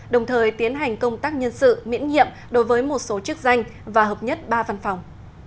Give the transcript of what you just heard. đồng thời tiến hành công tác nhân sự miễn nhiệm đối với một số chức danh và hợp nhất ba văn phòng